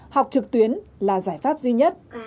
học trực tuyến là giải pháp duy nhất